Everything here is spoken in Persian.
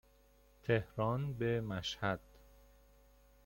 تهران به مشهد